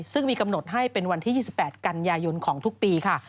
ซึ่งมีกำหนดให้เป็นวันที่๒๘กันยายนของทุกปีค่ะ